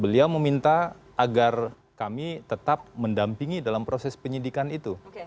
beliau meminta agar kami tetap mendampingi dalam proses penyidikan itu